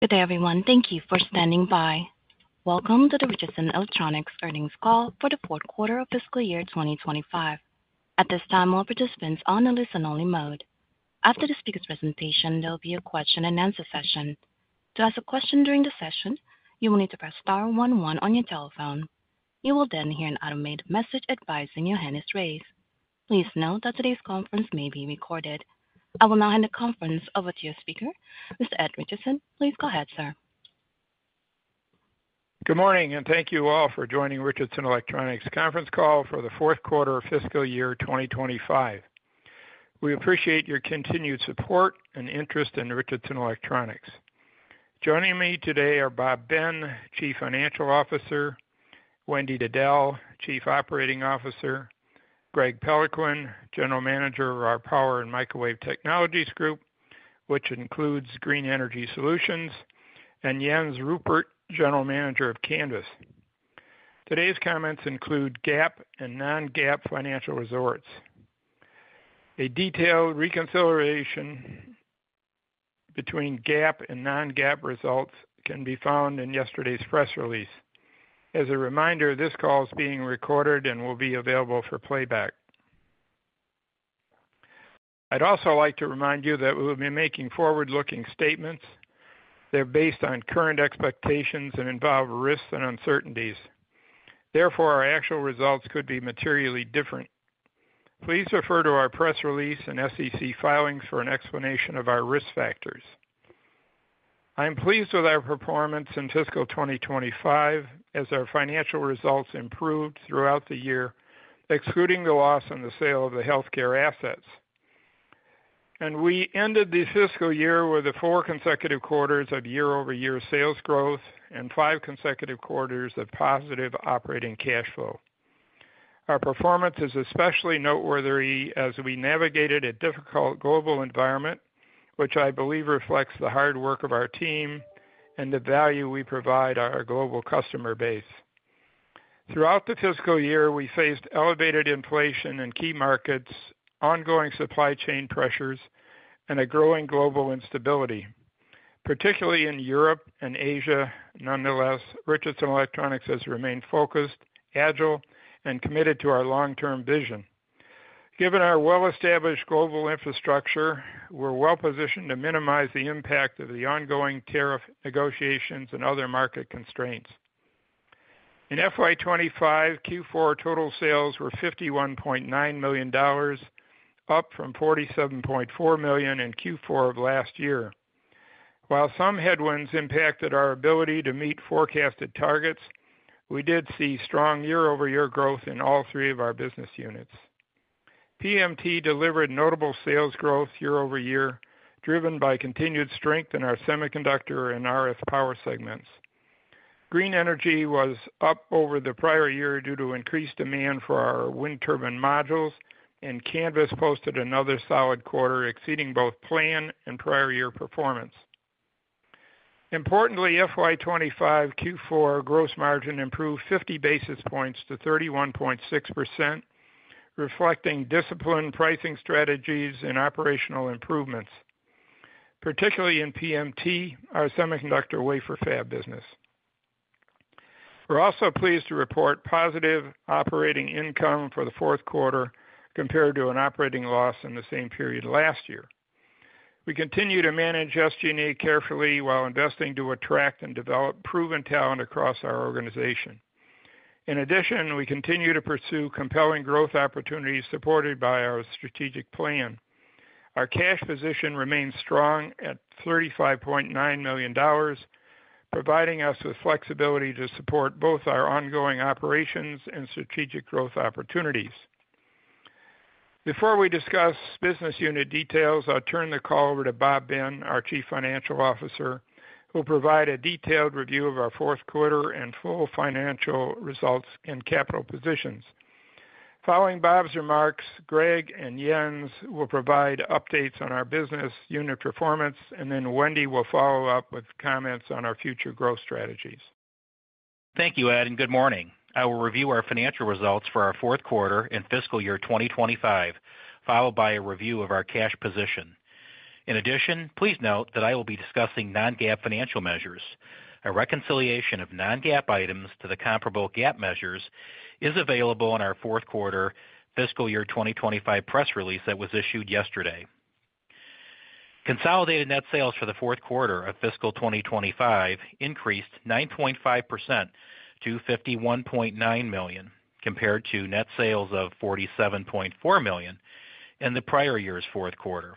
Good day everyone. Thank you for standing by. Welcome to the Richardson Electronics earnings call for the fourth quarter of fiscal year 2025. At this time, all participants are on a listen-only mode. After the speaker's presentation, there will be a question and answer session. To ask a question during the session, you will need to press star one one on your telephone. You will then hear an automated message advising your hand is raised. Please note that today's conference may be recorded. I will now hand the conference over to your speaker, Mr. Edward Richardson. Please go ahead sir. Good morning and thank you all for joining Richardson Electronics conference call for the fourth quarter fiscal year 2025. We appreciate your continued support and interest in Richardson Electronics. Joining me today are Bob Ben, Chief Financial Officer, Wendy Diddell, Chief Operating Officer, Greg Peloquin, General Manager of our Power and Microwave Technologies Group, which includes Green Energy Solutions, and Jens Ruppert, General Manager of Canvys. Today's comments include GAAP and non-GAAP financial results. A detailed reconciliation between GAAP and non-GAAP results can be found in yesterday's press release. As a reminder, this call is being recorded and will be available for playback. I'd also like to remind you that we will be making forward-looking statements. They're based on current expectations and involve risks and uncertainties. Therefore, our actual results could be materially different. Please refer to our press release and SEC filings for an explanation of our risk factors. I am pleased with our performance in fiscal 2025 as our financial results improved throughout the year excluding the loss in the sale of the healthcare assets and we ended the fiscal year with four consecutive quarters of year-over-year sales growth and five consecutive quarters of positive operating cash flow. Our performance is especially noteworthy as we navigated a difficult global environment which I believe reflects the hard work of our team and the value we provide our global customer base. Throughout the fiscal year we faced elevated inflation in key markets, ongoing supply chain pressures, and a growing global instability, particularly in Europe and Asia. Nonetheless, Richardson Electronics has remained focused, agile, and committed to our long-term vision. Given our well-established global infrastructure, we're well positioned to minimize the impact of the ongoing tariff negotiations and other market constraints. In FY 2025 Q4, total sales were $51.9 million, up from $47.4 million in Q4 of last year. While some headwinds impacted our ability to meet forecasted targets, we did see strong year-over-year growth in all three of our business units. PMT delivered notable sales growth year-over-year, driven by continued strength in our semiconductor and RF power segments. Green Energy was up over the prior year due to increased demand for our wind turbine modules, and Canvys posted another solid quarter exceeding both plan and prior year performance. Importantly, FY 2025 Q4 gross margin improved 50 basis points to 31.6% reflecting disciplined pricing strategies and operational improvements, particularly in PMT, our semiconductor wafer fab business. We're also pleased to report positive operating income for the fourth quarter compared to an operating loss in the same period last year. We continue to manage SG&A carefully while investing to attract and develop proven talent across our organization. In addition, we continue to pursue compelling growth opportunities supported by our strategic plan. Our cash position remains strong at $35.9 million, providing us with flexibility to support both our ongoing operations and strategic growth opportunities. Before we discuss business unit details, I'll turn the call over to Bob Ben, our Chief Financial Officer, who will provide a detailed review of our fourth quarter and full financial results and capital positions. Following Bob's remarks, Greg and Jens will provide updates on our business unit performance and then Wendy will follow up with comments on our future growth strategies. Thank you Ed and good morning. I will review our financial results for our fourth quarter and fiscal year 2025, followed by a review of our cash position. In addition, please note that I will be discussing non-GAAP financial measures. A reconciliation of non-GAAP items to the comparable GAAP measures is available in our fourth quarter fiscal year 2025 press release that was issued yesterday. Consolidated net sales for the fourth quarter of fiscal 2025 increased 9.5% to $51.9 million compared to net sales of $47.4 million in the prior year's fourth quarter.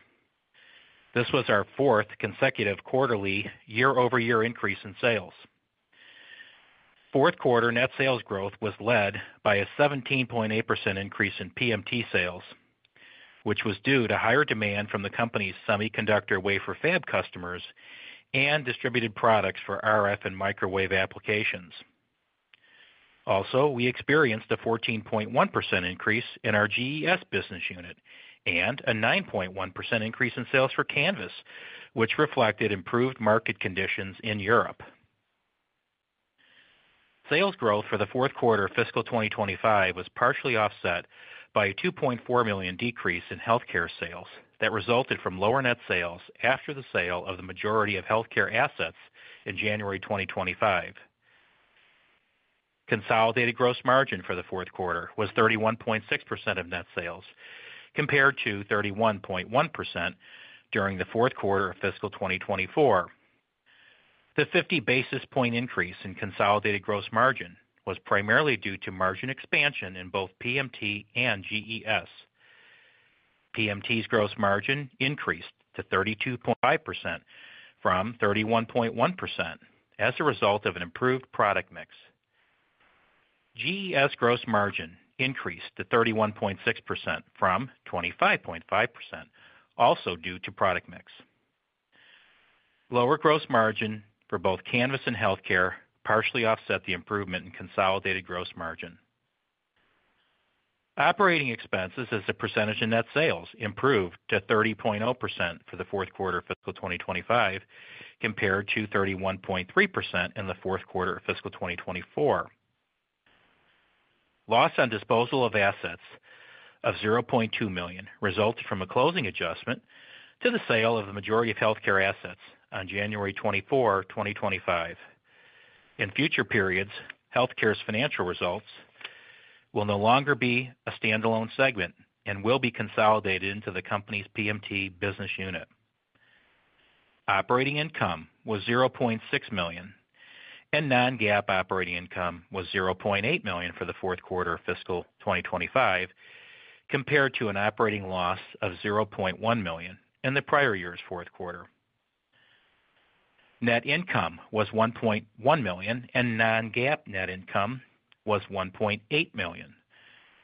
This was our fourth consecutive quarterly year-over-year increase in sales. Fourth quarter net sales growth was led by a 17.8% increase in PMT sales, which was due to higher demand from the company's semiconductor wafer fab customers and distributed products for RF and microwave applications. Also, we experienced a 14.1% increase in our GES business unit and a 9.1% increase in sales for Canvys, which reflected improved market conditions in Europe. Sales growth for the fourth quarter fiscal 2025 was partially offset by a $2.4 million decrease in healthcare sales that resulted from lower net sales after the sale of the majority of healthcare assets in January 2025. Consolidated gross margin for the fourth quarter was 31.6% of net sales compared to 31.1% during the fourth quarter of fiscal 2024. The 50 basis point increase in consolidated gross margin was primarily due to margin expansion in both PMT and GES. PMT's gross margin increased to 32.5% from 31.1% as a result of an improved product mix. GES gross margin increased to 31.6% from 25.5%, also due to product mix. Lower gross margin for both Canvys and healthcare partially offset the improvement in consolidated gross margin. Operating expenses as a percentage of net sales improved to 30.0% for the fourth quarter fiscal 2025 compared to 31.3% in the fourth quarter of fiscal 2024. Loss on disposal of assets of $0.2 million results from a closing adjustment to the sale of the majority of healthcare assets on January 24, 2025. In future periods, healthcare's financial results will no longer be a stand-alone segment and will be consolidated into the company's PMT business unit. Operating income was $0.6 million and non-GAAP operating income was $0.8 million for the fourth quarter of fiscal 2025 compared to an operating loss of $0.1 million in the prior year's fourth quarter. Net income was $1.1 million and non-GAAP net income was $1.8 million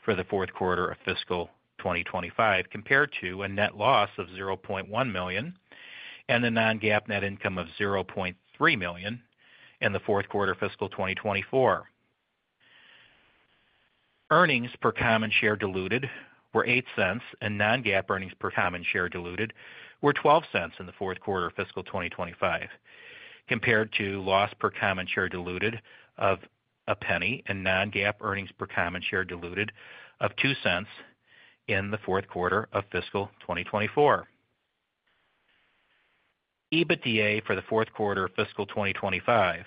for the fourth quarter of fiscal 2025 compared to a net loss of $0.1 million and the non-GAAP net income of $0.3 million in the fourth quarter fiscal 2024. Earnings per common share diluted were $0.08 and non-GAAP earnings per common share diluted were $0.12 in the fourth quarter of fiscal 2025 compared to loss per common share diluted of $0.01 and non-GAAP earnings per common share diluted of $0.02 in the fourth quarter of fiscal 2024. EBITDA for the fourth quarter fiscal 2025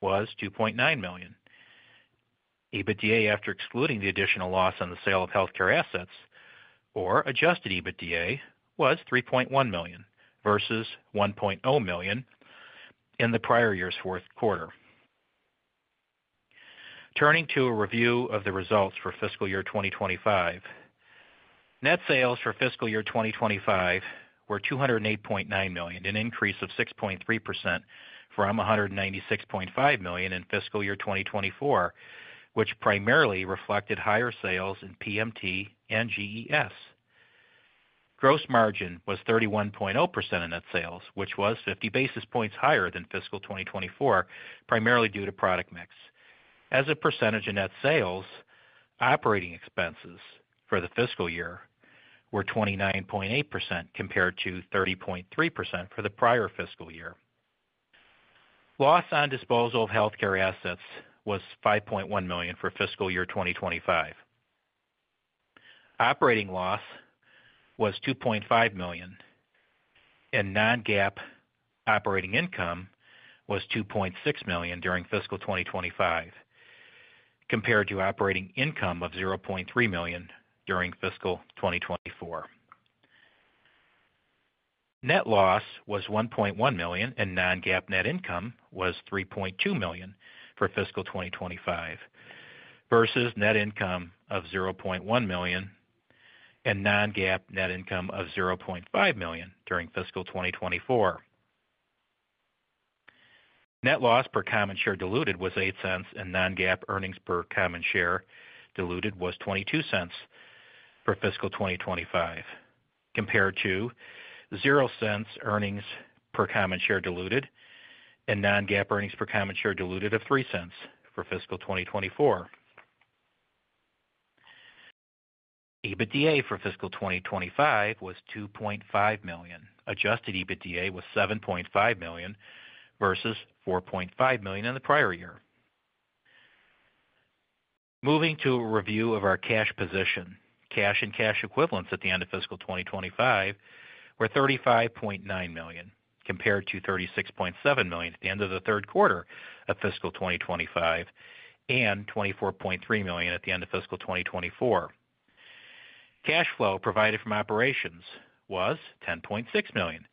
was $2.9 million. EBITDA after excluding the additional loss on the sale of healthcare assets, or adjusted EBITDA, was $3.1 million vs $1.0 million in the prior year's fourth quarter. Turning to a review of the results for fiscal year 2025, net sales for fiscal year 2025 were $208.9 million, an increase of 6.3% from $196.5 million in fiscal year 2024, which primarily reflected higher sales in PMT and GES. Gross margin was 31.0% of net sales, which was 50 basis points higher than fiscal 2024 primarily due to product mix. As a percentage of net sales, operating expenses for the fiscal year were 29.8% compared to 30.3% for the prior fiscal year. Loss on disposal of healthcare assets was $5.1 million for fiscal year 2025. Operating loss was $2.5 million and non-GAAP operating income was $2.6 million during fiscal 2025 compared to operating income of $0.3 million during fiscal 2024. Net loss was $1.1 million and non-GAAP net income was $3.2 million for fiscal 2025 vs net income of $0.1 million and non-GAAP net income of $0.5 million during fiscal 2024. Net loss per common share diluted was $0.08 and non-GAAP earnings per common share diluted was $0.13 for fiscal 2025 compared to $0.00 earnings per common share diluted and non-GAAP earnings per common share diluted of $0.03 for fiscal 2024. EBITDA for fiscal 2025 was $2.5 million. Adjusted EBITDA was $7.5 million vs $4.5 million in the prior year. Moving to a review of our cash position, cash and cash equivalents at the end of fiscal 2025 were $35.9 million compared to $36.7 million at the end of the third quarter of fiscal 2025 and $24.3 million at the end of fiscal 2024. Cash flow provided from operations was $10.6 million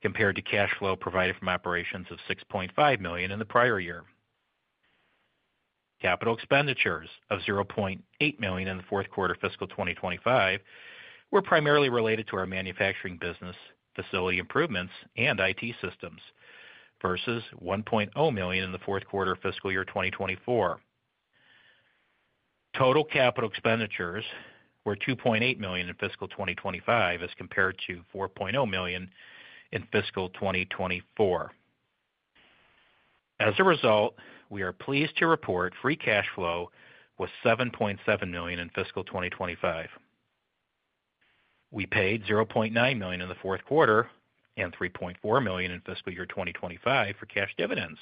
compared to cash flow provided from operations of $6.5 million in the prior year. Capital expenditures of $0.8 million in the fourth quarter fiscal 2025 were primarily related to our manufacturing, business, facility improvements, and IT systems vs $1.0 million in the fourth quarter fiscal year 2024. Total capital expenditures were $2.8 million in fiscal 2025 as compared to $4.0 million in fiscal 2024. As a result, we are pleased to report free cash flow with $7.7 million in fiscal 2025. We paid $0.9 million in the fourth quarter and $3.4 million in fiscal year 2025 for cash dividends.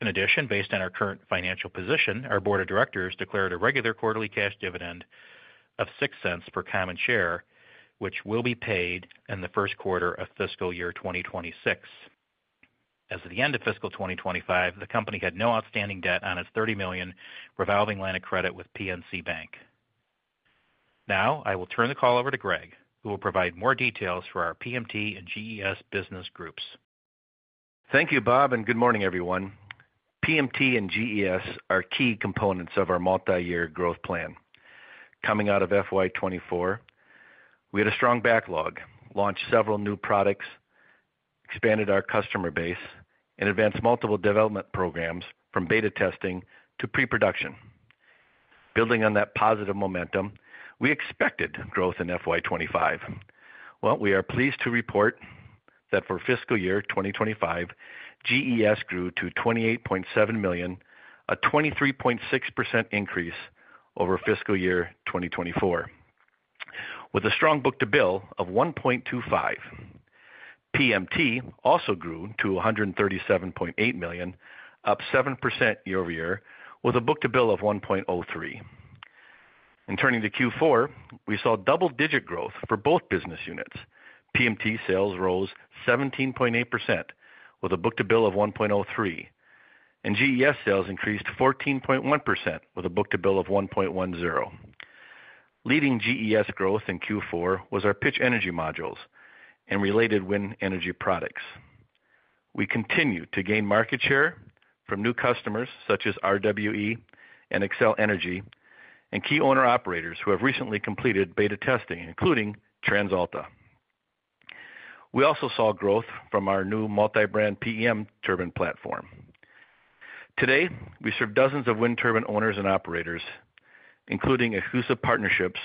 In addition, based on our current financial position, our Board of Directors declared a regular quarterly cash dividend of $0.06 per common share, which will be paid in the first quarter of fiscal year 2026. As of the end of fiscal 2025, the company had no outstanding debt on its $30 million revolving credit line with PNC Bank. Now I will turn the call over to Greg who will provide more details for our PMT and GES business groups. Thank you, Bob, and good morning, everyone. PMT and GES are key components of our multi-year growth plan. Coming out of FY 2024, we had a strong backlog, launched several new products, expanded our customer base, and advanced multiple development programs from beta testing to pre-production. Building on that positive momentum, we expected growth in FY 2025. We are pleased to report that for fiscal year 2025, GES grew to $28.7 million, a 23.6% increase over fiscal year 2024, with a strong book to bill of 1.25. PMT also grew to $137.8 million, up 7% year-over-year, with a book to bill of 1.03. Turning to Q4, we saw double-digit growth for both business units. PMT sales rose 17.8% with a book to bill of 1.03, and GES sales increased 14.1% with a book to bill of 1.10. Leading GES growth in Q4 was our pitch energy modules and related wind energy products. We continue to gain market share from new customers such as RWE and Xcel Energy and key owner operators who have recently completed beta testing, including TransAlta. We also saw growth from our new multi-brand PEM turbine platform. Today, we serve dozens of wind turbine owners and operators, including partnerships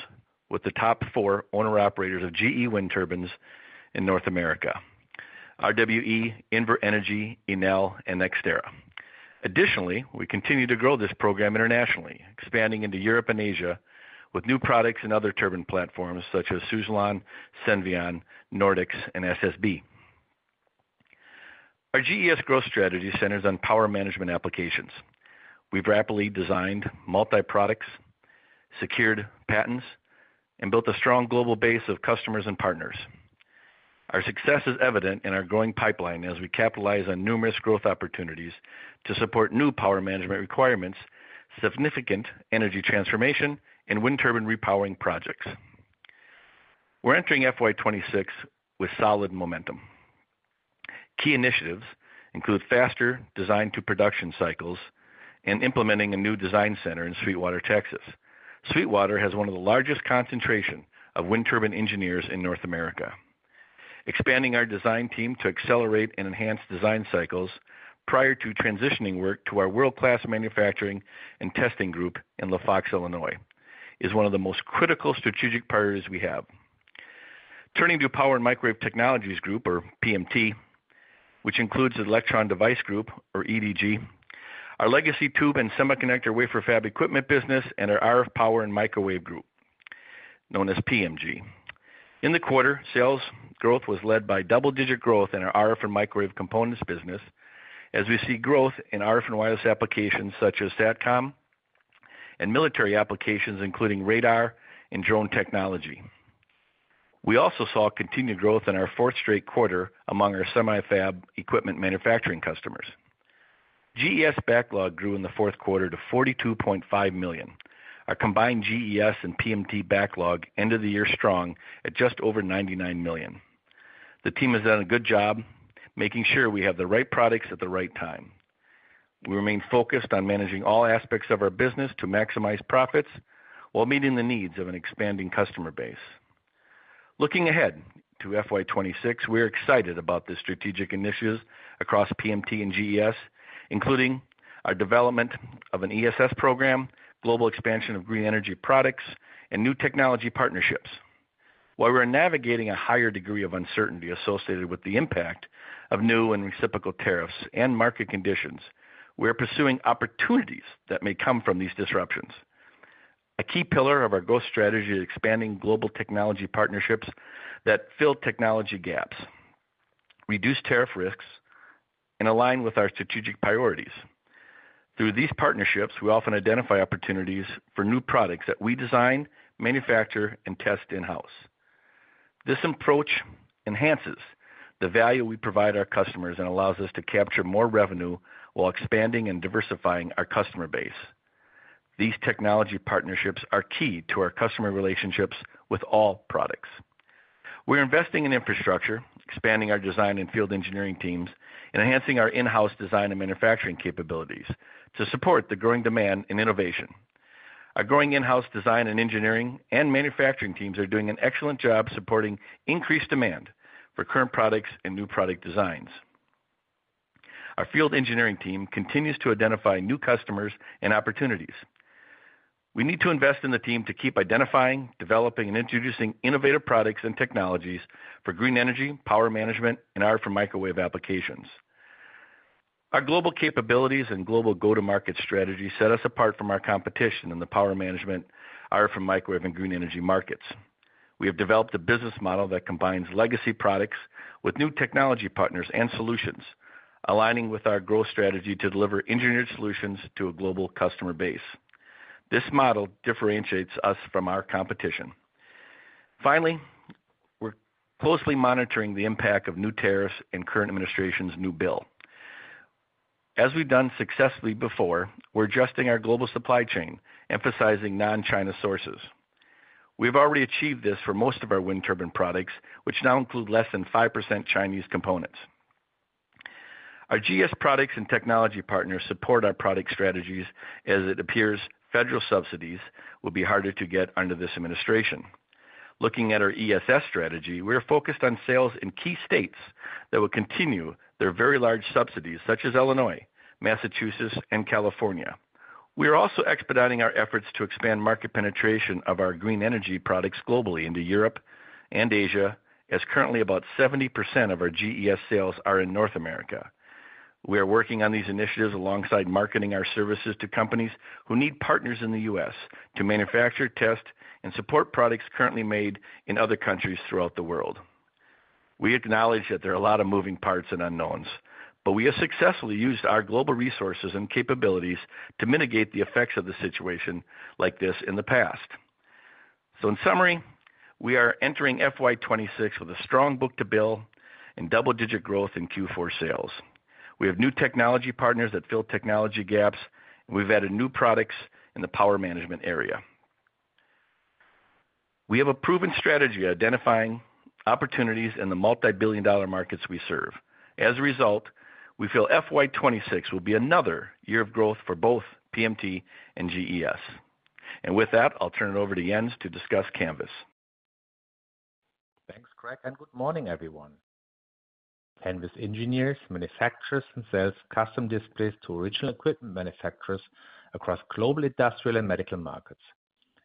with the top four owner operators of GE wind turbines in North America: RWE, Inver Energy, Enel, and NextEra. Additionally, we continue to grow this program internationally, expanding into Europe and Asia with new products and other turbine platforms such as Suzlon, Senvion, Nordex, and SSB. Our GES growth strategy centers on power management applications. We've rapidly designed multiple products, secured patents, and built a strong global base of customers and partners. Our success is evident in our growing pipeline as we capitalize on numerous growth opportunities to support new power management requirements, significant energy transformation, and wind turbine repowering projects. We're entering FY 2026 with solid momentum. Key initiatives include faster design-to-production cycles and implementing a new design center in Sweetwater, Texas. Sweetwater has one of the largest concentrations of wind turbine engineers in North America. Expanding our design team to accelerate and enhance design cycles prior to transitioning work to our world-class manufacturing and testing group in La Fox, Illinois, is one of the most critical strategic priorities we have. Turning to Power and Microwave Technologies Group, or PMT, which includes Electron Device Group, or EDG, our legacy tube and semiconductor wafer fab equipment business, and our RF Power and Microwave group, known as PMG. In the quarter, sales growth was led by double-digit growth in our RF and microwave components business. As we see growth in RF and wireless applications such as satcom and military applications including radar and drone technology, we also saw continued growth in our fourth straight quarter among our semi fab equipment manufacturing customers. GES backlog grew in the fourth quarter to $42.5 million. Our combined GES and PMT backlog ended the year strong at just over $99 million. The team has done a good job making sure we have the right products at the right time. We remain focused on managing all aspects of our business to maximize profits while meeting the needs of an expanding customer base. Looking ahead to FY 2026, we are excited about the strategic initiatives across PMT and GES, including our development of an ESS program, global expansion of green energy products, and new technology partnerships. While we're navigating a higher degree of uncertainty associated with the impact of new and reciprocal tariffs and market conditions, we are pursuing opportunities that may come from these disruptions. A key pillar of our growth strategy is expanding global technology partnerships that fill technology gaps, reduce tariff risks, and align with our strategic priorities. Through these partnerships, we often identify opportunities for new products that we design, manufacture, and test in-house. This approach enhances the value we provide our customers and allows us to capture more revenue while expanding and diversifying our customer base. These technology partnerships are key to our customer relationships with all products. We're investing in infrastructure, expanding our design and field engineering teams, and enhancing our in-house design and manufacturing capabilities to support the growing demand in innovation. Our growing in-house design, engineering, and manufacturing teams are doing an excellent job supporting increased demand for current products and new product designs. Our field engineering team continues to identify new customers and opportunities. We need to invest in the team to keep identifying, developing, and introducing innovative products and technologies for green energy, power management, and RF and microwave applications. Our global capabilities and global go-to-market strategy set us apart from our competition in the power management, RF and microwave, and green energy markets. We have developed a business model that combines legacy products with new technology partners and solutions, aligning with our growth strategy to deliver engineered solutions to a global customer base. This model differentiates us from our competition. Finally, we're closely monitoring the impact of new tariffs and the current administration's new bills. As we've done successfully before, we're adjusting our global supply chain, emphasizing non-China sources. We have already achieved this for most of our wind turbine products, which now include less than 5% Chinese components. Our GES products and technology partners support our product strategies as it appears federal subsidies will be harder to get under this administration. Looking at our ESS strategy, we're focused on sales in key states that will continue to offer their very large subsidies, such as Illinois, Massachusetts, and California. We are also expediting our efforts to expand market penetration of our green energy products globally into Europe and Asia, as currently about 70% of our GES sales are in North America. We are working on these initiatives alongside marketing our services to companies who need partners in the U.S. to manufacture, test, and support products currently made in other countries throughout the world. We acknowledge that there are a lot of moving parts and unknowns, but we have successfully used our global resources and capabilities to mitigate the effects of a situation like this in the past. In summary, we are entering FY 2026 with a strong book-to-bill and double-digit growth in Q4 sales. We have new technology partners that fill technology gaps. We've added new products in the power management area. We have a proven strategy identifying opportunities in the multibillion dollar markets we serve. As a result, we feel FY 2026 will be another year of growth for both PMT and GES. With that, I'll turn it over to Jens to discuss Canvys. Thanks, Greg. Good morning everyone. Canvys engineers manufactures and sells customized display solutions to original equipment manufacturers across global industrial and medical markets.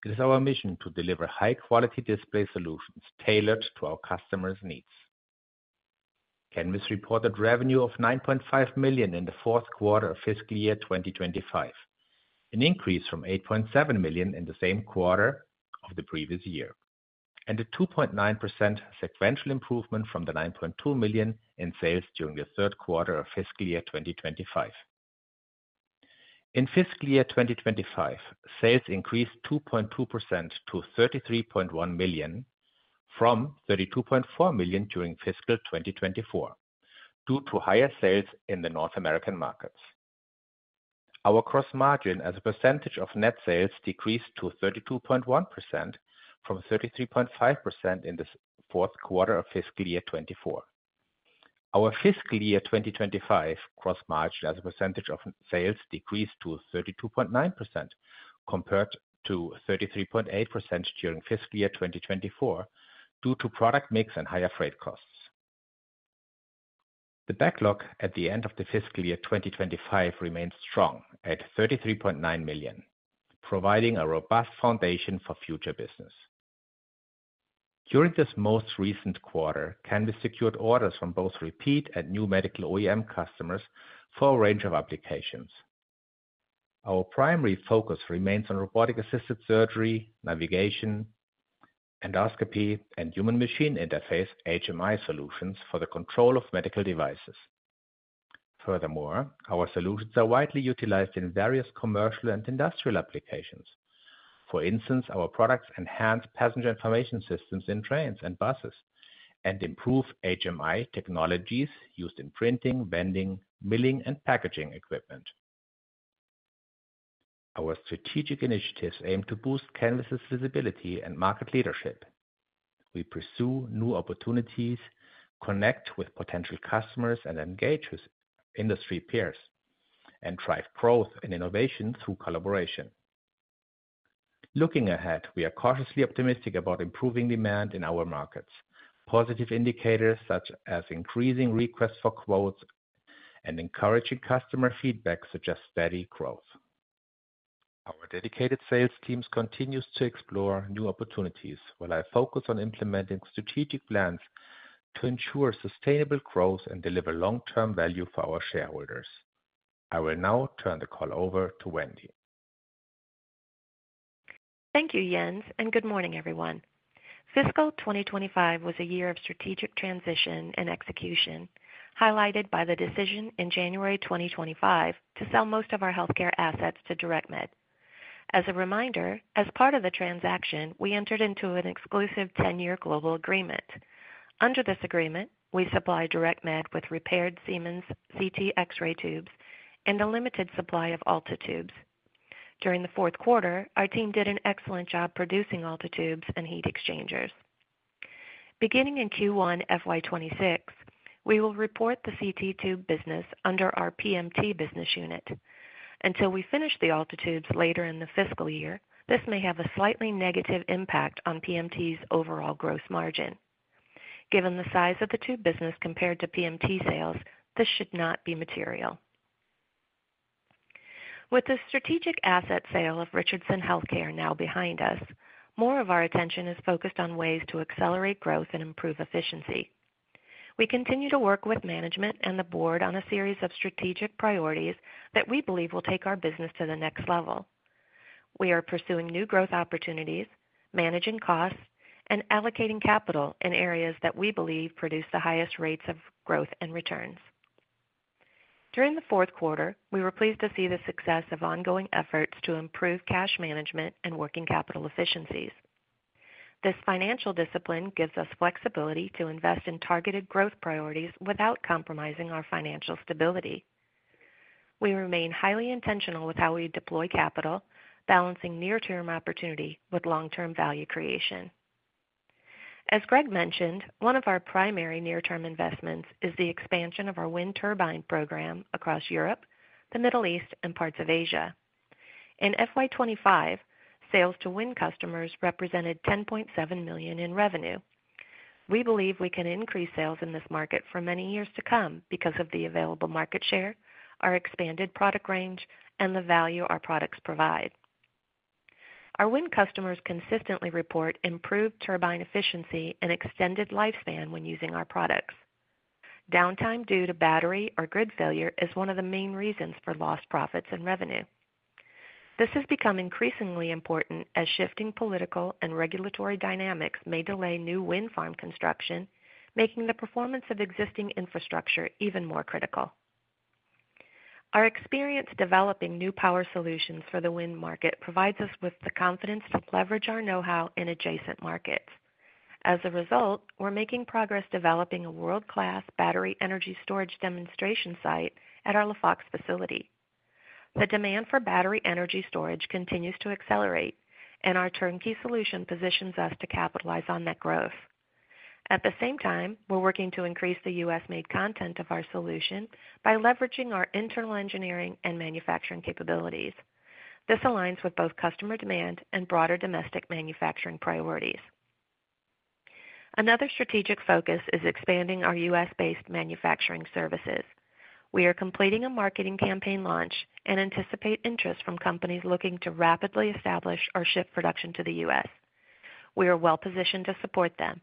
It is our mission to deliver high quality display solutions tailored to our customers' needs. Canvys reported revenue of $9.5 million in the fourth quarter of fiscal year 2025, an increase from $8.7 million in the same quarter of the previous year and a 2.9% sequential improvement from the $9.2 million in sales during the third quarter of fiscal year 2025. In fiscal year 2025, sales increased 2.2% to $33.1 million from $32.4 million during fiscal 2024 due to higher sales in the North American markets. Our gross margin as a percentage of net sales decreased to 32.1% from 33.5% in the fourth quarter of fiscal year 2024. Our fiscal year 2025 gross margin as a percentage of sales decreased to 32.9% compared to 33.8% during fiscal year 2024 due to product mix and higher freight costs. The backlog at the end of fiscal year 2025 remains strong at $33.9 million, providing a robust foundation for future business. During this most recent quarter, Canvys secured orders from both repeat and new medical OEM customers for a range of applications. Our primary focus remains on robotic assisted surgery, navigation, endoscopy, and human machine interface, HMI solutions for the control of medical devices. Furthermore, our solutions are widely utilized in various commercial and industrial applications. For instance, our products enhance passenger information systems in trains and buses and improve HMI technologies used in printing, vending, milling, and packaging equipment. Our strategic initiatives aim to boost Canvys visibility and market leadership. We pursue new opportunities, connect with potential customers, engage with industry peers, and drive growth and innovation through collaboration. Looking ahead, we are cautiously optimistic about improving demand in our markets. Positive indicators such as increasing requests for quotes and encouraging customer feedback suggest steady growth. Our dedicated sales team continues to explore new opportunities while I focus on implementing strategic plans to ensure sustainable growth and deliver long term value for our shareholders. I will now turn the call over to Wendy. Thank you, Jens, and good morning, everyone. Fiscal 2025 was a year of strategic transition and execution highlighted by the decision in January 2025 to sell most of our healthcare assets to DirectMed. As a reminder, as part of the transaction, we entered into an exclusive 10-year global agreement. Under this agreement, we supply DirectMed with repaired Siemens CT X-ray tubes and a limited supply of altitudes. During the fourth quarter, our team did an excellent job producing Alta tubes and heat exchangers. Beginning in Q1 FY 2026, we will report the CT tube business under our PMT business unit until we finish the altitudes later in the fiscal year. This may have a slightly negative impact on PMT's overall gross margin. Given the size of the tube business compared to PMT sales, this should not be material. With the strategic asset sale of Richardson Healthcare now behind us, more of our attention is focused on ways to accelerate growth and improve efficiency. We continue to work with management and the Board on a series of strategic priorities that we believe will take our business to the next level. We are pursuing new growth opportunities, managing costs, and allocating capital in areas that we believe produce the highest rates of growth and returns. During the fourth quarter, we were pleased to see the success of ongoing efforts to improve cash management and working capital efficiencies. This financial discipline gives us flexibility to invest in targeted growth priorities without compromising our financial stability. We remain highly intentional with how we deploy capital, balancing near-term opportunity with long-term value creation. As Greg mentioned, one of our primary near-term investments is the expansion of our wind turbine program across Europe, the Middle East, and parts of Asia. In FY25, sales to wind customers represented $10.7 million in revenue. We believe we can increase sales in this market for many years to come because of the available market share, our expanded product range, and the value our products provide. Our wind customers consistently report improved turbine efficiency and extended lifespan when using our products. Downtime due to battery or grid failure is one of the main reasons for lost profits and revenue. This has become increasingly important as shifting political and regulatory dynamics may delay new wind farm construction, making the performance of existing infrastructure even more critical. Our experience developing new power solutions for the wind market provides us with the confidence to leverage our know-how in adjacent markets. As a result, we're making progress developing a world-class battery energy storage demonstration site at our LaFox facility. The demand for battery energy storage continues to accelerate, and our turnkey solution positions us to capitalize on that growth. At the same time, we're working to increase the U.S.-made content of our solution by leveraging our internal engineering and maintenance manufacturing capabilities. This aligns with both customer demand and broader domestic manufacturing priorities. Another strategic focus is expanding our U.S.-based manufacturing services. We are completing a marketing campaign launch and anticipate interest from companies looking to rapidly establish or shift production to the U.S. We are well positioned to support them.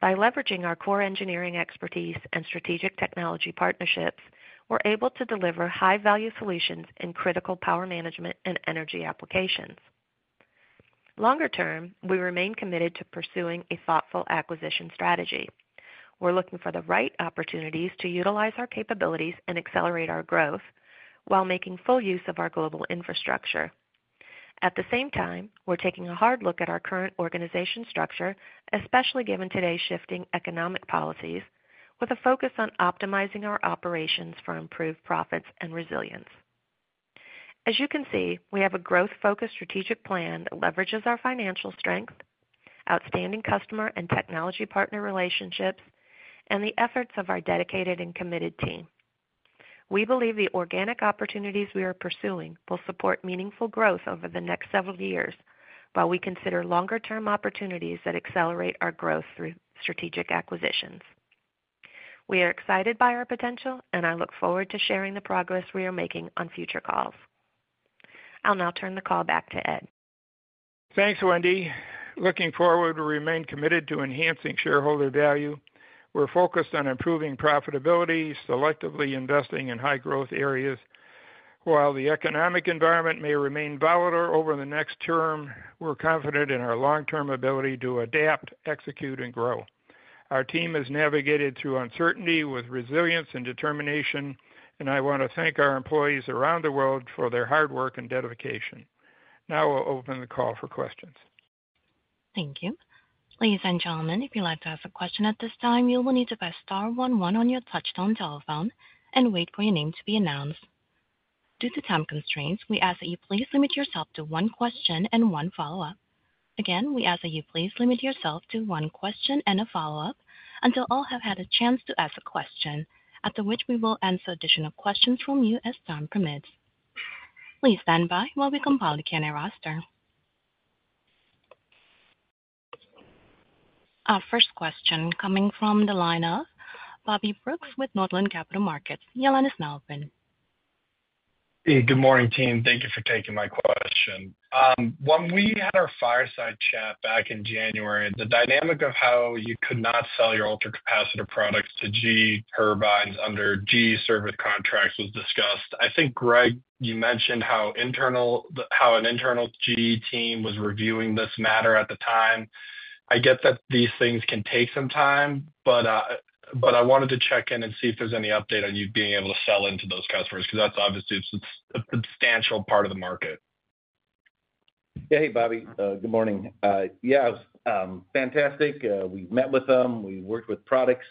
By leveraging our core engineering expertise and strategic technology partnerships, we're able to deliver high-value solutions in critical power management and applications. Longer term, we remain committed to pursuing a thoughtful acquisition strategy. We're looking for the right opportunities to utilize our capabilities and accelerate our growth while making full use of our global infrastructure. At the same time, we're taking a hard look at our current organization structure, especially given today's shifting economic policies, with a focus on optimizing our operations for improved profits and resilience. As you can see, we have a growth-focused strategic plan that leverages our financial strength, outstanding customer and technology partner relationships, and the efforts of our dedicated and committed team. We believe the organic opportunities we are pursuing will support meaningful growth over the next several years while we consider longer-term opportunities that accelerate our growth through strategic acquisitions. We are excited by our potential, and I look forward to sharing the progress we are making on future calls. I'll now turn the call back to Ed. Thanks, Wendy. Looking forward, we remain committed to enhancing shareholder value. We're focused on improving profitability, selectively investing in high growth areas. While the economic environment may remain volatile over the next term, we're confident in our long term ability to adapt, execute, and grow. Our team has navigated through uncertainty with resilience and determination, and I want to thank our employees around the world for their hard work and dedication. Now we'll open the call for questions. Thank you, ladies and gentlemen. If you'd like to ask a question at this time, you will need to press star one one on your touchtone telephone and wait for your name to be announced. Due to time constraints, we ask that you please limit yourself to one question and one follow-up. Again, we ask that you please limit yourself to one question and a follow-up until all have had a chance to ask a question, after which we will answer additional questions from you as time permits. Please stand by while we compile the Q&A roster. Our first question coming from the line of Bobby Brooks with Northland Capital Markets. Your line is open. Good morning, team. Thank you for taking my question. When we had our fireside chat back in January, the dynamic of how you could not sell your ultracapacitor products to GE turbines under GE service contracts was discussed. I think Greg, you mentioned how an internal GE team was reviewing this matter at the time. I get that these things can take some time, but I wanted to check in and see if there's any update on you being able to sell into those customers because that's obviously a substantial part of the market. Hey Bobby, good morning. Yeah, fantastic. We met with them, we worked with products,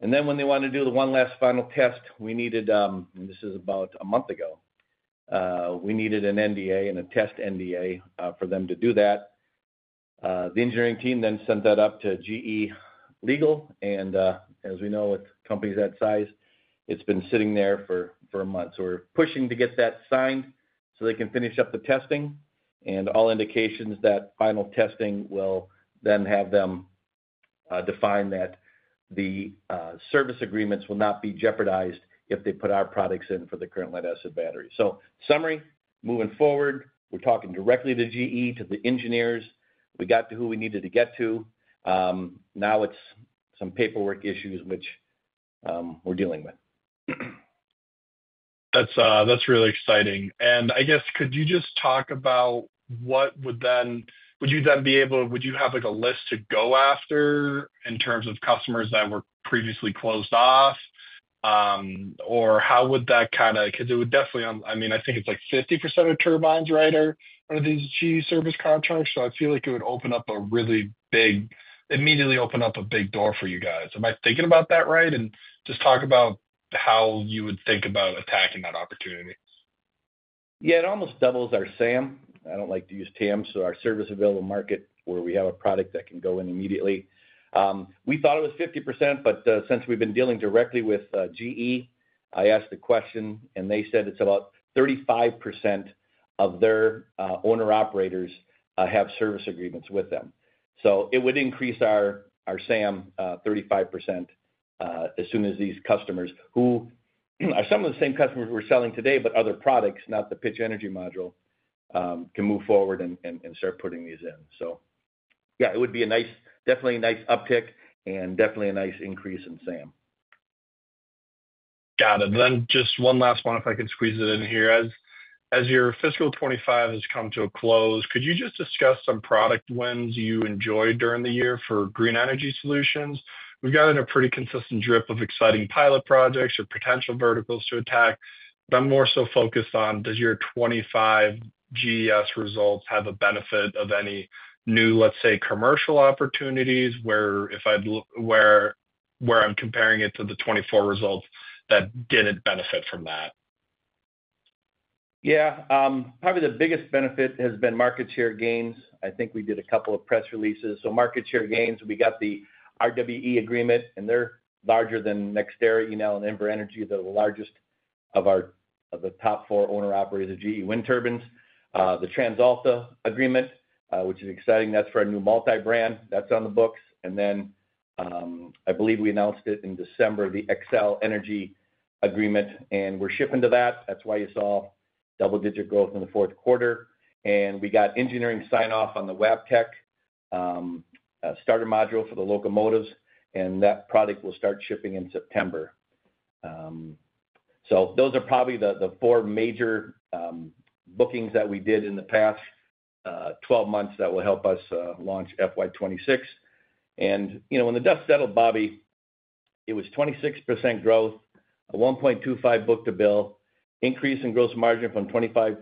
and when they want to do the one last final test we needed, this is about a month ago, we needed an NDA and a test NDA for them to do that. The engineering team then sent that up to GE Legal, and as we know with companies that size, it's been sitting there for a month. We're pushing to get that signed so they can finish up the testing. All indications are that final testing will then have them define that the service agreements will not be jeopardized if they put our products in for the current lead acid batteries. Summary moving forward, we're talking directly to GE, to the engineers we got to who we needed to get to. Now it's some paperwork issues which we're dealing with. That's really exciting and I guess could. Would you then be able, would you have like a list to go after in terms of customers? Were previously closed off, or how would that kind of because it would definitely I mean I think it's like 50% of turbines. Right? Are these GES service contracts? I feel like it would open immediately open up a big door for you guys. Am I thinking about that right? Just talk about how you would think about attacking that opportunity. Yeah, it almost doubles our SAM. I don't like to use TAM. Our service available market where we have a product that can go in immediately, we thought it was 50% but since we've been dealing directly with GE, I asked the question and they said it's about 35% of their owner operators have service agreements with them. It would increase our SAM 35% as soon as these customers, who are some of the same customers we're selling today but other products, not the pitch energy module, can move forward and start putting these in. Yeah, it would be a nice, definitely nice uptick and definitely a nice increase in SAM. Got it. Just one last one, if I can squeeze here guys. As your fiscal 2025 has come to a close, could you just discuss some product wins you enjoyed during the year for Green Energy Solutions? We've gotten a pretty consistent drip of exciting pilot projects or potential verticals to attack. I'm more so focused on does your 25 GES results have a benefit of any new, let's say, commercial opportunities if it look where I'm comparing. It to the 2024 results that didn't benefit from that. Yeah, probably the biggest benefit has been market share gains. I think we did a couple of press releases, so market share gains. We got the RWE agreement, and they're larger than NextEra, Enel, and Ember Energy, the largest of the top four owner operators of GE wind turbines. The TransAlta agreement, which is exciting, that's for a new multi-brand that's on the books. I believe we announced it in December, the Xcel Energy agreement, and we're shipping to that. That's why you saw double-digit growth in the fourth quarter. We got engineering sign-off on the Wabtec starter module for the locomotives, and that product will start shipping in September. Those are probably the four major bookings that we did in the past 12 months that will help us launch FY 2026. You know, when the dust settled, Bobby, it was 26% growth, 1.25 book to bill, increase in gross margin from 25%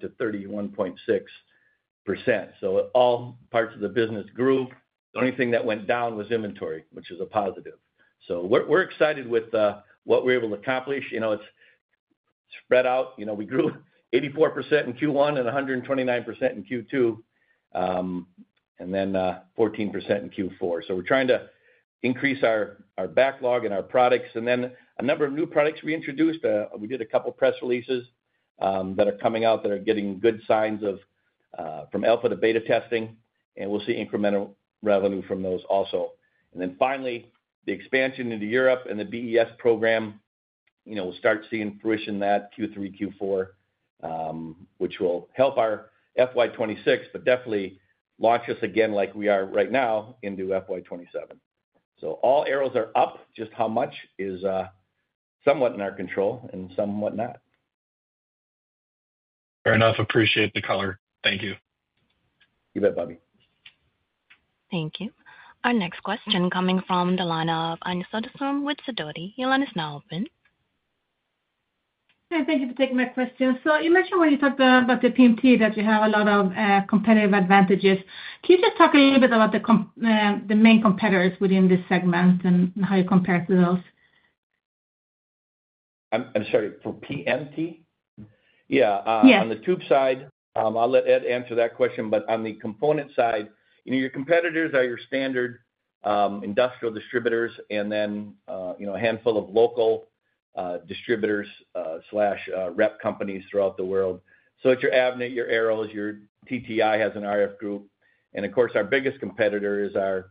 to 31.6%. All parts of the business grew. The only thing that went down was inventory, which is a positive. We're excited with what we're able to accomplish. It's spread out. We grew 84% in Q1 and 129% in Q2 and then 14% in Q4. We're trying to increase our backlog and our products, and then a number of new products we introduced. We did a couple of press releases that are coming out that are getting good signs from alpha to beta testing, and we'll see incremental revenue from those also. Finally, the expansion into Europe and the BES program, you know, start seeing fruition that Q3, Q4, which will help our FY 2026, but definitely launch us again like we are right now into FY 2027. All arrows are up. Just how much is somewhat in our control and somewhat not. Fair enough. Appreciate the color. Thank you. You bet, Bobby. Thank you. Our next question, coming from the line of Anja Soderstrom with Sidoti. Your line is now open. Thank you for taking my question. You mentioned when you talked about the PMT that you have a lot of competitive advantages. Can you just talk a little bit about the main competitors within this segment and how you compare to those? Sorry, for PMT? Yeah. Yeah. On the tube side, I'll let Ed answer that question. On the component side, your competitors are your standard industrial distributors and then a handful of local distributors slash rep companies throughout the world. It's your Avnet, your Arrows, your TTI has an RF group, and of course our biggest competitor is our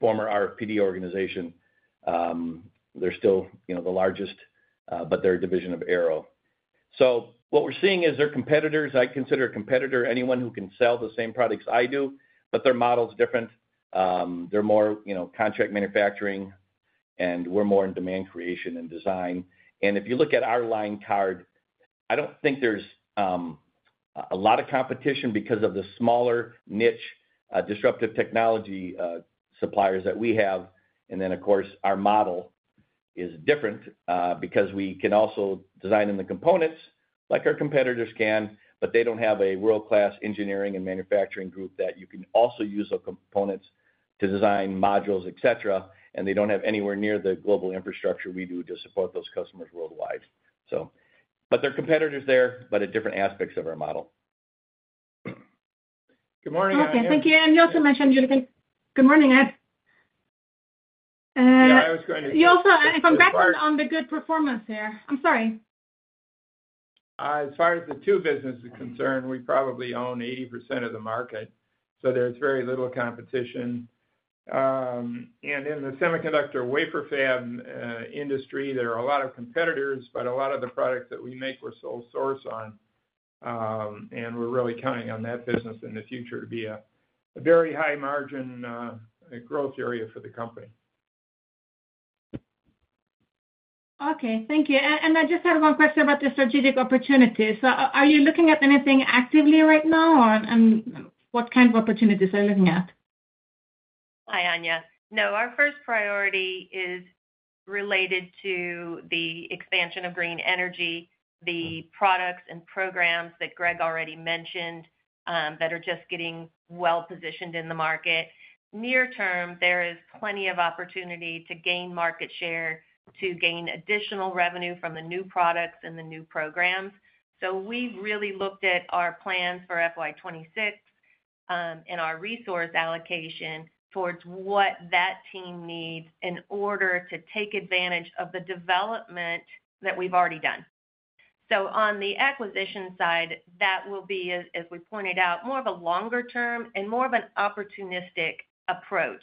former RFPD organization. They're still the largest, but they're a division of Arrow. What we're seeing is their competitors. I consider a competitor anyone who can sell the same products I do, but their model is different. They're more contract manufacturing and we're more in demand creation and design. If you look at our line card, I don't think there's a lot of competition because of the smaller niche disruptive technology suppliers that we have. Our model is different because we can also design in the components like our competitors can, but they don't have a world class engineering and manufacturing group that you can also use the components to design modules, etc. They don't have anywhere near the global infrastructure we do to support those customers worldwide. They're competitors there, but at different aspects of our model. Good morning. Okay, thank you. And you also mentioned, Good morning, Ed. If I'm back on the good performance here, I'm sorry. As far as the two business is concerned, we probably own 80% of the market, so there's very little competition. In the semiconductor wafer fab industry there are a lot of competitors, but a lot of the products that we make we're sole source on and we're really counting on that business in the future to be a very high margin growth area for the company. Okay, thank you. I just had one question about the strategic opportunities. Are you looking at anything actively right now and what kind of opportunities are you looking at? Hi Anya. No, our first priority is related to the expansion of green energy. The products and programs that Greg already mentioned are just getting well positioned in the market. Near term, there is plenty of opportunity to gain market share, to gain additional revenue from the new products and the new programs. We really looked at our plans for FY 2026 and our resource allocation towards what that team needs in order to take advantage of the development that we've already done. On the acquisition side, that will be, as we pointed out, more of a longer term and more of an opportunistic approach.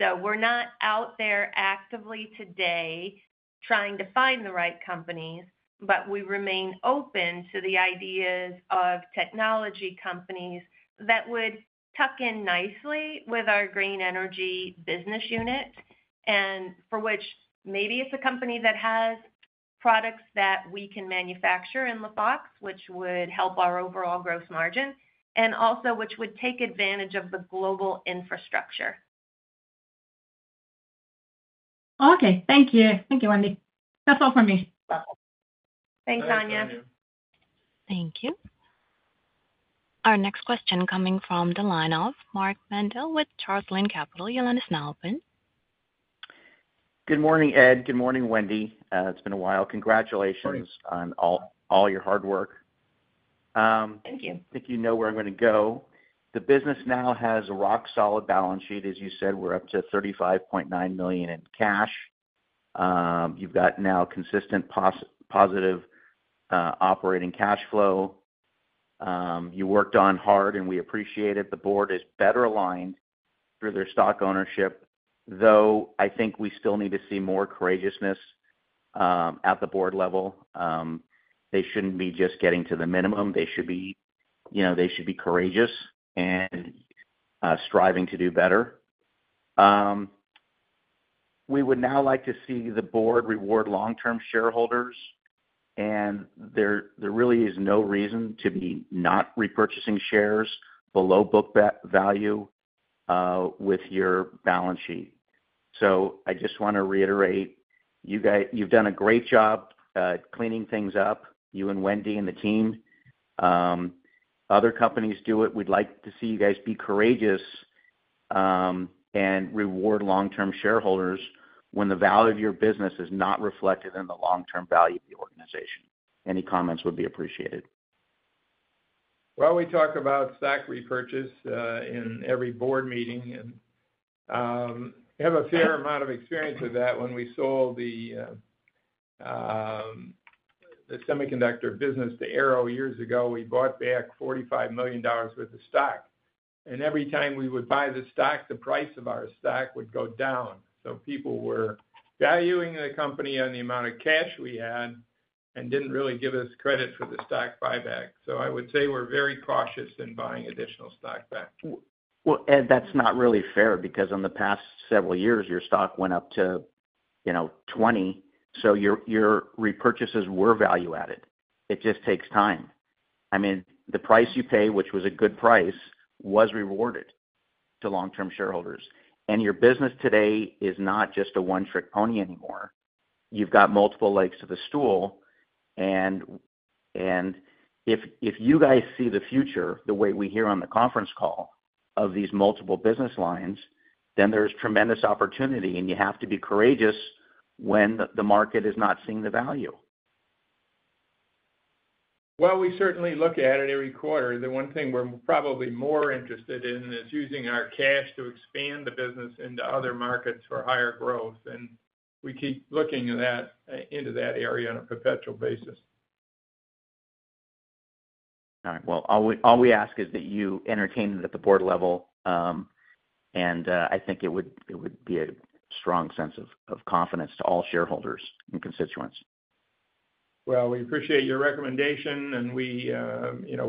We're not out there actively today trying to find the right companies, but we remain open to the ideas of technology companies that would tuck in nicely with our green energy business unit and for which maybe it's a company that has products that we can manufacture in the box, which would help our overall gross margin and also which would take advantage of the global infrastructure. Okay, thank you. Thank you, Wendy. That's all for me. Thanks Anya. Thank you. Our next question coming from the line of Mark Mendel with Charles Lane Capital, your line is now open. Good morning, Ed. Good morning, Wendy. It's been a while. Congratulations on all your hard work. Thank you. I think you know where I'm going to go. The business now has a rock solid balance sheet. As you said, we're up to $35.9 million in cash. You've got now consistent positive operating cash flow. You worked on hard and we appreciate it. The board is better aligned through their stock ownership, though I think we still need to see more courageousness at the board level. They shouldn't be just getting to the minimum. They should be courageous and striving to do better. We would now like to see the board reward long term shareholders. There really is no reason to be not repurchasing shares below book value with your balance sheet. I just want to reiterate, you've done a great job cleaning things up. You and Wendy and the team. Other companies do it. We'd like to see you guys be courageous and reward long term shareholders when the value of your business is not reflected in the long term value of the organization. Any comments would be appreciated. We talk about stock repurchase in every board meeting and have a fair amount of experience with that. When we sold the semiconductor business to Arrow years ago, we bought back $45 million worth of stock. Every time we would buy the stock, the price of our stock would go down. People were valuing the company on the amount of cash we had and didn't really give us credit for the stock buyback. I would say we're very cautious in buying additional stock back. Ed, that's not really fair because in the past several years your stock went up to, you know, $20. Your repurchases were value added. It just takes time. The price you pay, which was a good price, was rewarded to long term shareholders. Your business today is not just a one trick pony anymore. You've got multiple legs to the stool. If you guys see the future the way we hear on the conference call of these multiple business lines, then there's tremendous opportunity and you have to be courageous when the market is not seeing the value. We certainly look at it every quarter. The one thing we're probably more interested in is using our cash to expand the business into other markets for higher growth. We keep looking into that area on a perpetual basis. All we ask is that you entertain at the board level. It would be a strong sense of confidence to all shareholders and constituents. We appreciate your recommendation and we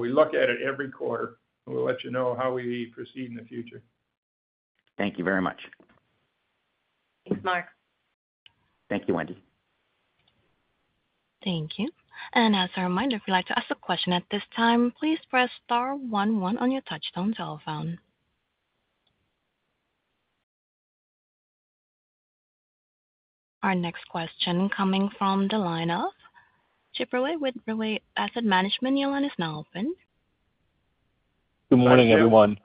look at it every quarter. We'll let you know how we proceed in the future. Thank you very much. Thanks, Mark. Thank you, Wendy. Thank you. As a reminder, if you'd like to ask a question at this time, please press star one one on your touchtone telephone. Our next question coming from the line of Chip roy with Roy Asset Management. Your line is now open. Good morning, everyone.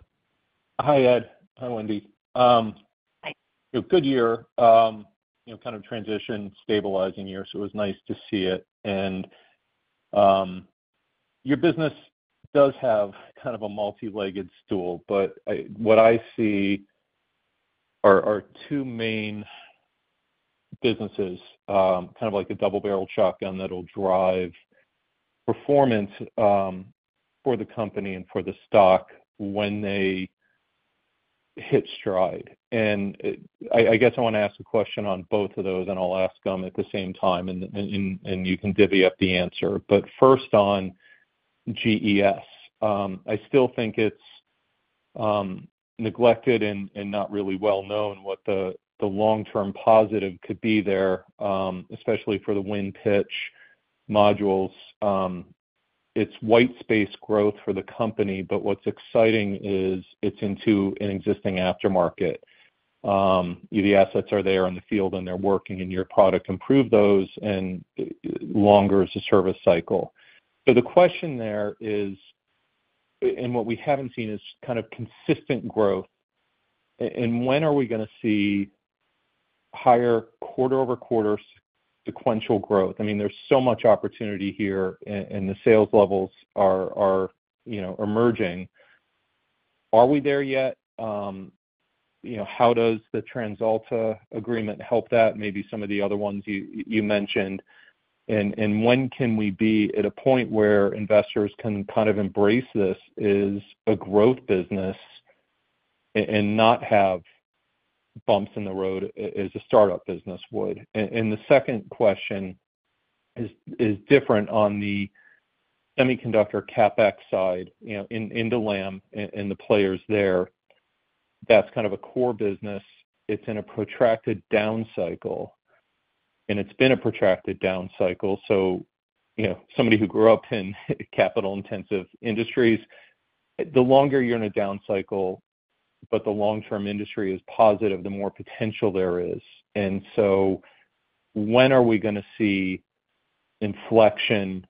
Hi, Ed. Hi, Wendy. Hi. Good year, you know, kind of transition, stabilizing year. It was nice to see it. Your business does have kind of a multi-legged stool. What I see are two main businesses, kind of like a double-barrel shotgun that will drive performance for the company .For the stock when they hit stride. I want to ask a question on both of those, and I'll ask them at the same time, and you can divvy up the answer. First, on GES, I still think. It's neglected and not really well known. What the long term positive could be. There, especially for the wind turbine pitch energy modules. It's white space growth for the company. What is exciting is it's into an existing aftermarket. The assets are there in the field, and they're working in your product improve. Those and longer as a service cycle. The question there is, and what we haven't seen is kind of consistent. Growth and when are we going to. See higher quarter-over-quarter sequential growth? There's so much opportunity here, and the sales levels are, you know, emerging. Are we there yet? How does the TransAlta agreement help that maybe some of the other you mentioned, and when can we be at a point where investors can kind of embrace this as a growth business. Not have bumps in the road as a startup business would. The second question is different. On the semiconductor CapEx side into Lam and the players there, that's kind of a core business. It's in a protracted down cycle and it's been a protracted down cycle. Somebody who grew up in capital intensive industries, the longer you're in a down cycle, but the long term is positive. The more potential there is, and so when are we going to see inflection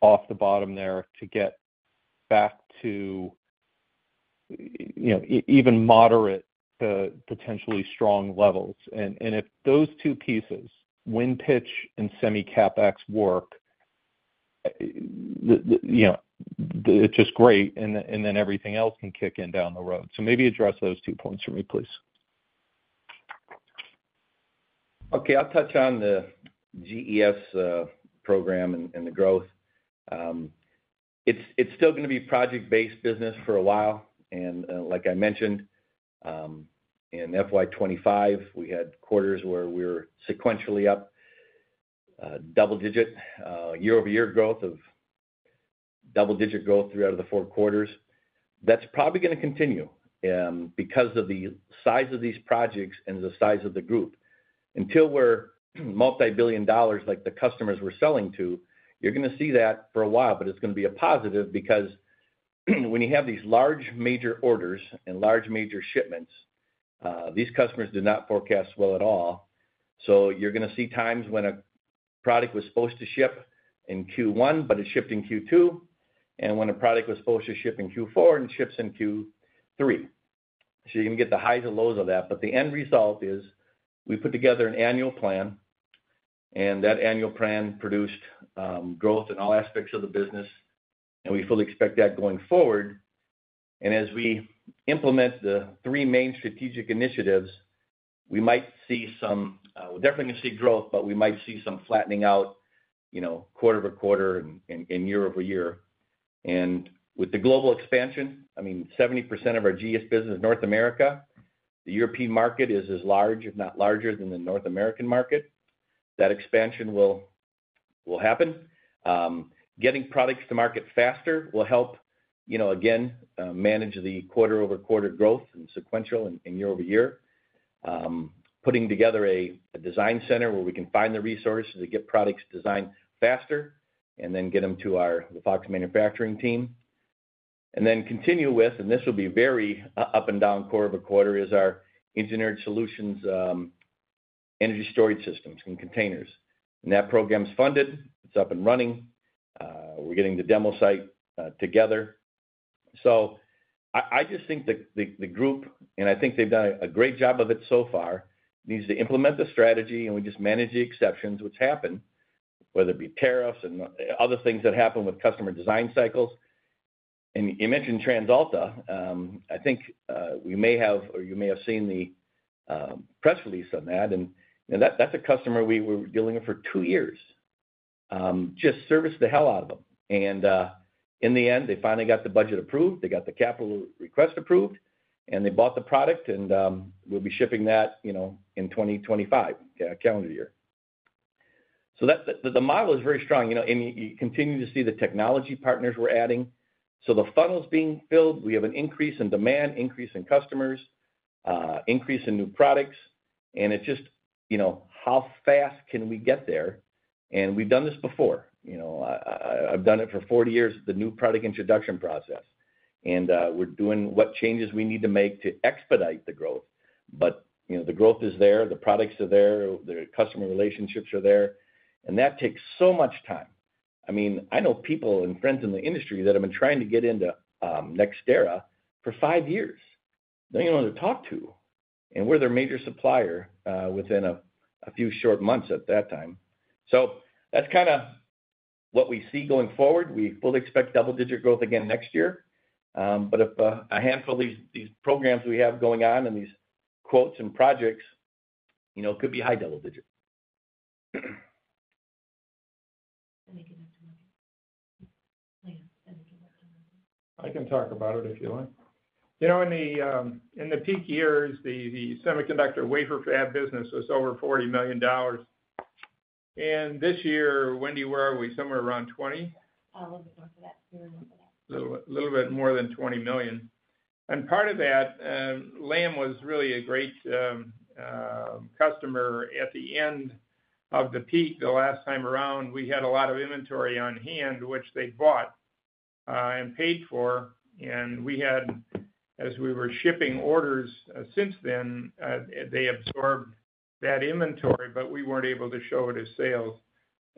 off the bottom there to get back to even moderate to potentially strong levels? If those two pieces, wind pitch and semi CapEx work, you know, it's just great. Everything else can kick in down the road. Maybe address those two points for me please. Okay, I'll touch on the GES program and the growth. It's still going to be project-based business for a while. Like I mentioned, in FY 2025 we had quarters where we were sequentially up, double-digit year-over-year growth, double-digit growth throughout the four quarters. That's probably going to continue because of the size of these projects and the size of the group. Until we're multi-billion dollars like the customers we're selling to, you're going to see that for a while. It's going to be a positive because when you have these large major orders and large major shipments, these customers did not forecast well at all. You're going to see times when a product was supposed to ship in Q1 but it shipped in Q2, and when a product was supposed to ship in Q4 and ships in Q3. You can get the highs and lows of that. The end result is we put together an annual plan, and that annual plan produced growth in all aspects of the business. We fully expect that going forward. As we implement the three main strategic initiatives, we're definitely going to see growth, but we might see some flattening out quarter over quarter and year over year. With the global expansion, 70% of our GES business is North America. The European market is as large, if not larger, than the North American market. That expansion will happen. Getting products to market faster will help manage the quarter over quarter growth and sequential and year-over-year. Putting together a design center where we can find the resources to get products designed faster and then get them to our Fox manufacturing team and then continue with, and this will be very up and down quarter-over-quarter, is our engineered solutions, energy storage systems, and containers. That program's funded, it's up and running, we're getting the demo site together. I just think that the group, and I think they've done a great job of it so far, needs to implement the strategy and we just manage the exceptions which happen, whether it be tariffs and other things that happen with customer design cycles. You mentioned TransAlta, I think we may have, or you may have seen the press release on that. That's a customer we were dealing with for two years, just service the hell out of them. In the end, they finally got the budget approved, they got the capital request approved, and they bought the product. We will be shipping that in the 2025 calendar year. The model is very strong, and you continue to see the technology partners we're adding, so the funnel is being filled. We have an increase in demand, increase in customers, increase in new products. It's just how fast can we get there. We've done this before. I've done it for 40 years, the new product introduction process, and we're doing what changes we need to make to expedite the growth. The growth is there, the products are there, the customer relationships are there, and that takes so much time. I know people and friends in the industry that have been trying to get into NextEra for five years, they want to talk to, and we're their major supplier within a few short months at that time. That's kind of what we see going forward. We fully expect double-digit growth again next year. If a handful of these programs we have going on in these quotes and projects, it could be high double-digit. They can have to market. I can talk about it if you want. You know, in the peak years the semiconductor wafer fab business was over $40 million. This year, Wendy, where are we? Somewhere around $20 million, A little bit more than that. A little bit more than $20 million. Part of that, Lam was really a great customer. At the end of the peak, the last time around we had a lot of inventory on hand which they bought and paid for. As we were shipping orders since then, they absorbed that inventory but we weren't able to show it as sales.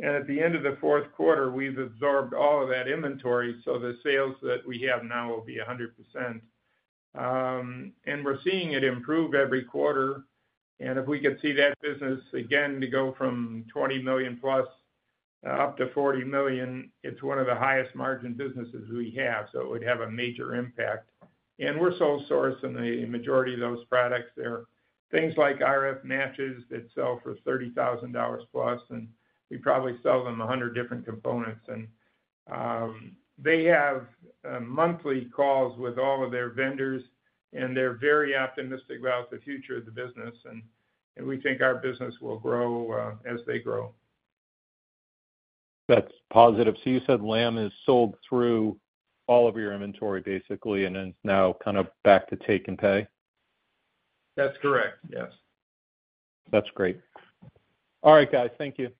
At the end of the fourth quarter we've absorbed all of that inventory. The sales that we have now will be 100% and we're seeing it improve every quarter. If we could see that business again go from $20 million+ up to $40 million, it's one of the highest margin businesses we have. It would have a major impact. We're sole source. The majority of those products there, things like RF matches that sell for $30,000+, and we probably sell them 100 different components. They have monthly calls with all of their vendors and they're very optimistic about the future of the business. We think our business will grow as they grow. That's positive. You said Lam is sold through all of your inventory, basically, and then. Now, kind of back to take and pay? That's correct, yes. That's great. All right, guys. Thank you.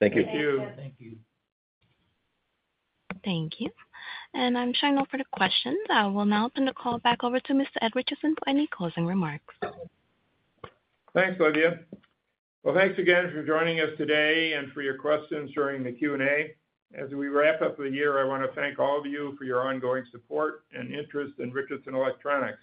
Thank you. Thank you. Thank you. Thank you. I'm showing no further questions. I will now turn the call back over to Mr. Edward Richardson for any closing remarks. Thanks, Olivia. Thanks again for joining us today and for your questions during the Q&A. As we wrap up the year, I want to thank all of you for your ongoing support and interest in Richardson Electronics.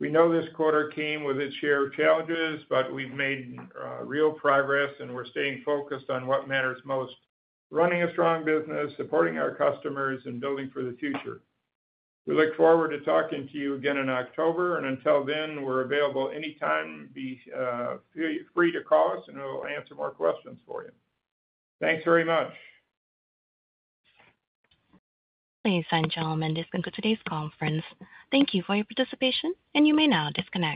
We know this quarter came with its share of challenges, but we've made real progress and we're staying focused on what matters most, running a strong business, supporting our customers, and building for the future. We look forward to talking to you again in October. Until then, we're available anytime. Feel free to call us and we'll answer more questions for you. Thanks very much. Ladies and gentlemen, this concludes today's conference. Thank you for your participation. You may now disconnect.